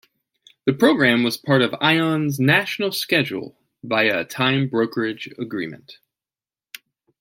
The program was part of Ion's national schedule via a time brokerage agreement.